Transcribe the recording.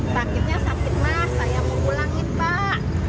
takutnya sakit mah saya mau pulangin pak